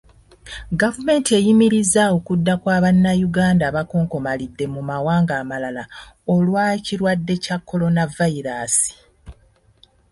Gavumenti eyimirizza okudda kwa Bannayuganda abakonkomalidde mu mawanga amalala olw'ekirwadde kya Kolanavayiraasi.